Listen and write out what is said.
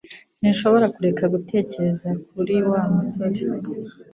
Sinshobora kureka gutekereza kuri Wa musore